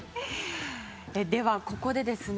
では、ここでですね